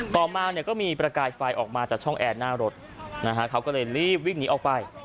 ต่อมาเนี่ยก็มีประกายไฟออกมาจากช่องแอร์หน้ารถนะฮะเขาก็เลยรีบวิ่งหนีออกไป